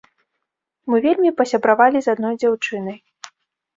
Мы вельмі пасябравалі з адной дзяўчынай.